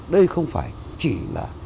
đây không phải chỉ là